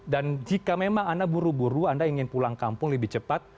dan jika memang anda buru buru anda ingin pulang kampung lebih cepat